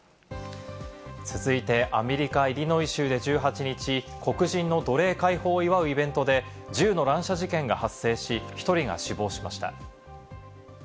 続いて、アメリカ・イリノイ州で１８日、黒人の奴隷解放を祝うイベントで銃の乱射事件が発生し、１人が死亡しました。